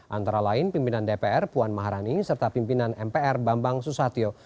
antara lain pimpinan dpr puan maharani serta pimpinan mpr bambang susatyo